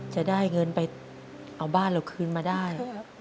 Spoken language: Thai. จะได้เงินไปเอาบ้านเราคืนมาได้